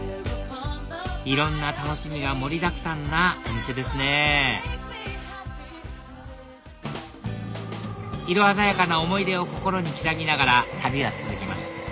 いろんな楽しみが盛りだくさんなお店ですね色鮮やかな思い出を心に刻みながら旅は続きます